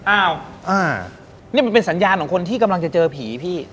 อ้าวนี่มันเป็นสัญญาณของคนที่กำลังจะเจอผีพี่